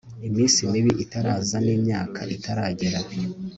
iminsi mibi itaraza n'imyaka itaragera